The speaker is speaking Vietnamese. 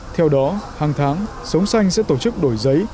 theo đó hàng tháng sống xanh sẽ tổ chức đổi giấy